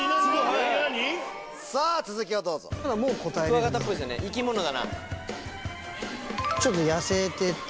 クワガタっぽいですよね生き物だな。